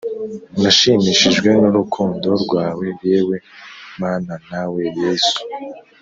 nashimishijwe n’urukundo rwawe, yewe mana nawe yesu